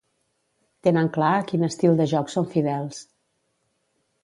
Tenen clar a quin estil de joc són fidels.